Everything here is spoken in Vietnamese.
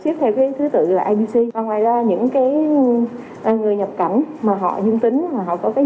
xếp theo cái thứ tự là ibc còn ngoài ra những cái người nhập cảnh mà họ duyên tính mà họ có cái